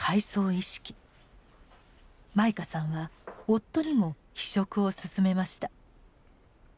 舞花さんは夫にも「非色」を薦めました。